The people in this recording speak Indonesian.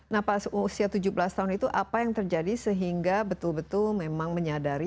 nah pas usia tujuh belas tahun itu apa yang terjadi sehingga betul betul memang menyadari